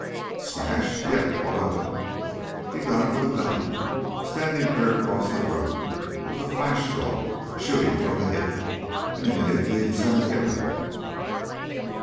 "Smashed? Yep. What of it?" "He done it with a gun, standing clean across the room, with a flash draw, shooting from the hip and he made a clean center hit of it."